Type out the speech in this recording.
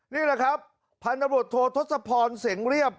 นี่แหละครับพรรณบรตโรธธสะพรเสียงเรียบ